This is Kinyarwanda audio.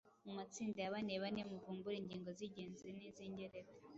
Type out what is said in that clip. Mu matsinda ya banebane muvumbure ingingo z’ingenzi n’iz’ingereka